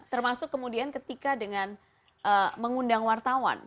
termasuk kemudian ketika dengan mengundang wartawan